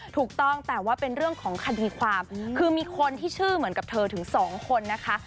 ถูกต้องแต่ว่าเป็นเรื่องของคดีความคือมีคนที่ชื่อเหมือนกับเธอถึงสองคนนะคะ